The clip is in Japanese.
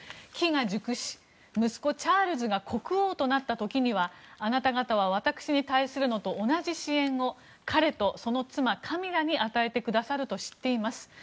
機が熟し、息子チャールズが国王となった時にはあなた方は私に対するのと同じ支援を彼と、その妻カミラに与えてくださると知っています。